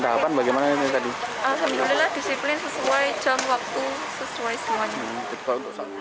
tahapan bagaimana ini tadi alhamdulillah disiplin sesuai jam waktu sesuai semuanya